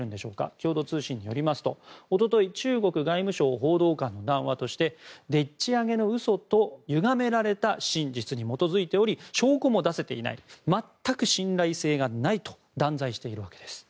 共同通信によりますと一昨日、中国外務省報道官の談話としてでっち上げの嘘と歪められた真実に基づいており証拠も出せていない全く信頼性がないと断罪しているわけです。